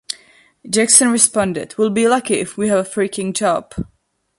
Jackson responded, We'll be lucky if we have a freaking job.